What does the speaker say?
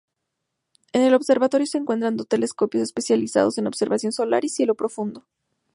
En el observatorio se encuentran dos telescopios especializados en observación solar y cielo profundo.